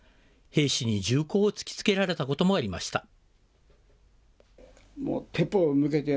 兵士に銃口を突きつけられたこともありました。